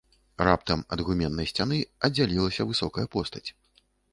Раптам ад гуменнай сцяны аддзялілася высокая постаць.